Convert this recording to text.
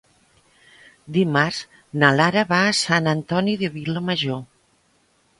Dimarts na Lara va a Sant Antoni de Vilamajor.